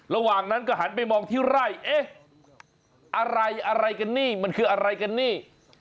ระหว่างนั้นก็หันไปมองที่ไร่เอ๊ะอะไรอะไรกันนี่มันคืออะไรกันนี่